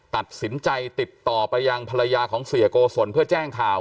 ตัดสินใจติดต่อไปยังภรรยาของเสียโกศลเพื่อแจ้งข่าว